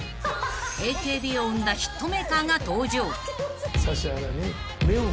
［ＡＫＢを生んだヒットメーカーが登場］